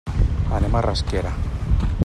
Anem a Rasquera.